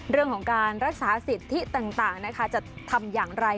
เรื่องของการรักษาสิทธิต่างนะคะจะทำอย่างไร